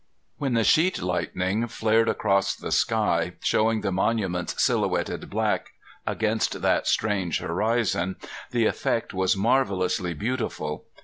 When the sheet lightning flared across the sky showing the monuments silhouetted black against that strange horizon the effect was marvelously beautiful.